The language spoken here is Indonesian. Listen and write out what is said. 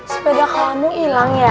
sepeda kamu ilang ya